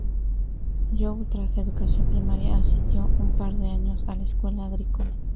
Joe, tras su educación primaria, asistió un par de años a la escuela agrícola.